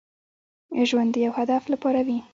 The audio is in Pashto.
ژوند د يو هدف لپاره وي.